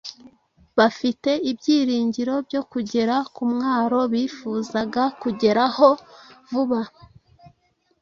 bafite ibyiringiro byo kugera ku mwaro bifuzaga kugeraho vuba.